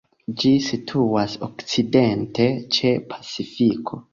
Ĝi situas okcidente ĉe Pacifiko.